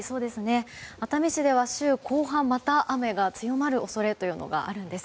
熱海市では週後半また雨が強まる恐れがあるんです。